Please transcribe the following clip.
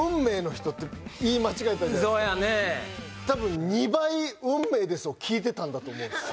多分２倍「運命です」を聞いてたんだと思うんですよ